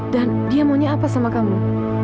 dan dia maunya apa sama kamu